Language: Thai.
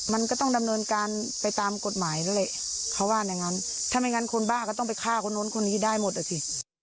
มันก็ต้องดำเนินการไปตามกฎหมายด้วยแหละเขาว่าอย่างนั้นถ้าไม่งั้นคนบ้าก็ต้องไปฆ่าคนนู้นคนนี้ได้หมดอ่ะสิ